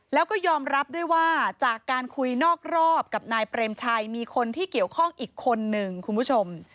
แล้วก็ยอมรับด้วยว่าจากการคุยนอกรอบกับนายเปรมชัยมีคนที่เกี่ยวข้องอีกคนนึงคุณผู้ชม